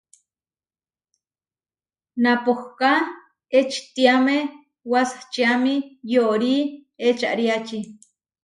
Napohká ečitiáme wasačiami yóri ečariáči.